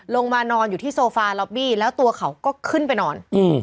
ลงมานอนอยู่ที่โซฟาล็อบบี้แล้วตัวเขาก็ขึ้นไปนอน